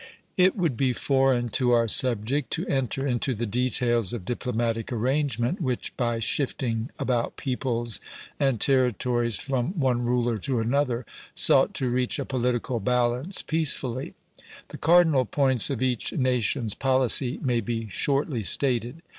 It would be foreign to our subject to enter into the details of diplomatic arrangement, which, by shifting about peoples and territories from one ruler to another, sought to reach a political balance peacefully. The cardinal points of each nation's policy may be shortly stated.